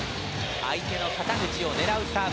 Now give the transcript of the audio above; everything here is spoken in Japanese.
相手の肩口を狙うサーブ。